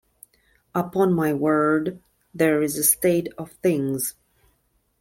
Upon my word, here's a state of things!